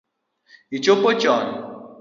Ichopo choon?